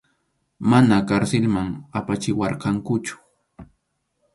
Mana karsilman apachiwarqankuchu.